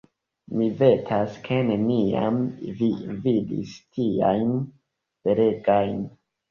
Mi vetas, ke neniam vi vidis tiajn belegajn.